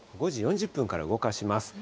５時４０分から動かします。